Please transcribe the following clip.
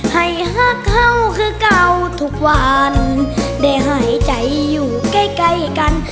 หักเขาคือเก่าทุกวันได้หายใจอยู่ใกล้ใกล้กัน